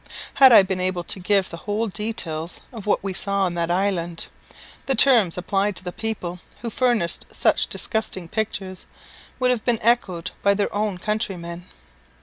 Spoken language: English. Had I been able to give the whole details of what we saw on that island, the terms applied to the people who furnished such disgusting pictures would have been echoed by their own countrymen.